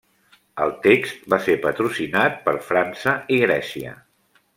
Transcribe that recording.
El text va ser patrocinat per França i Grècia.